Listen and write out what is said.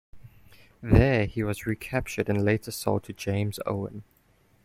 There he was recaptured and later sold to James Owen.